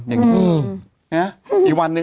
มันติดคุกออกไปออกมาได้สองเดือน